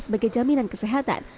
sebagai jaminan kesehatan